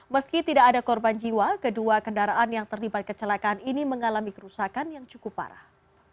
meski tidak ada korban jiwa kedua kendaraan yang terlibat kecelakaan ini mengalami kerusakan yang cukup parah